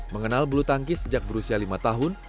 mengenal bulu tangkis sejak berusia lima tahun